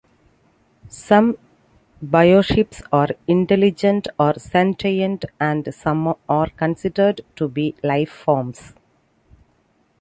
Some bioships are intelligent or sentient, and some are considered to be lifeforms.